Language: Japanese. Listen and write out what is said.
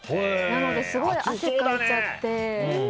なのですごい汗かいちゃって。